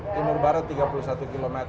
timur barat tiga puluh satu km